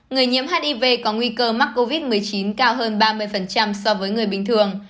người nhiễm hiv có nguy cơ mắc covid một mươi chín cao hơn ba mươi so với người bình thường